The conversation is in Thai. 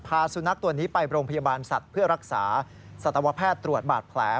สุนัขตัวนี้ไปโรงพยาบาลสัตว์เพื่อรักษาสัตวแพทย์ตรวจบาดแผล